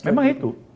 ya memang itu